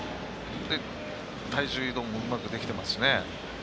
体重移動もうまくできていますし。